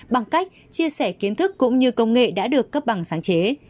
bằng cách chia sẻ kiến thức cũng như công nghệ đã được cấp bằng sáng chế